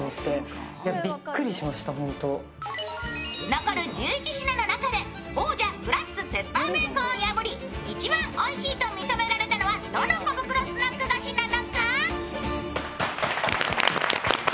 残る１１品の中で王者クラッツペッパーベーコンを破り一番おいしいと認められたのはどの小袋スナック菓子なのか？